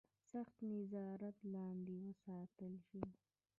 سخت نظارت لاندې وساتل شي.